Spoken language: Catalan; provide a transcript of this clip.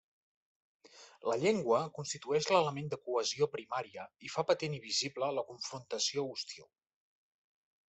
La llengua constitueix l'element de cohesió primària i fa patent i visible la confrontació hostil.